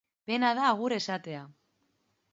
Pena da agur esatea.